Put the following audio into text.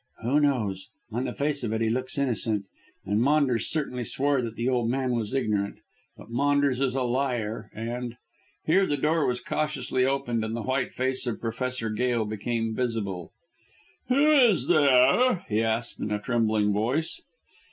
"Who knows? On the face of it he looks innocent, and Maunders certainly swore that the old man was ignorant. But Maunders is a liar and " Here the door was cautiously opened, and the white face of Professor Gail became visible. "Who is there?" he asked in a trembling voice.